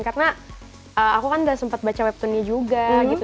karena aku kan udah sempat baca webtoonnya juga gitu